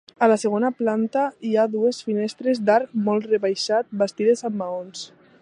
A la segona planta hi ha dues finestres d'arc molt rebaixat, bastides amb maons.